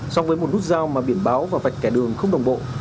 so với một nút dao mà biển báo và vạch kẻ đường không đồng bộ